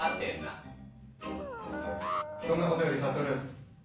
そんなことよりサトル。